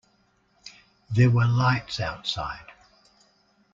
There were lights outside.